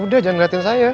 udah jangan ngeliatin saya